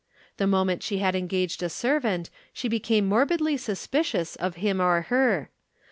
The moment she had engaged a servant, she became morbidly suspicious of him or her.